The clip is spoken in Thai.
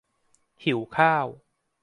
หิวข้าว~